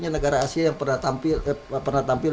negara asia yang pernah tampil